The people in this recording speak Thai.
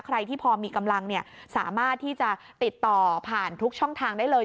ใครที่พอมีกำลังสามารถที่จะติดต่อผ่านทุกช่องทางได้เลย